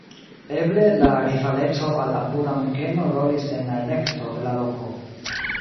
Eble la rivaleco al apuda Munkeno rolis en la elekto de la loko.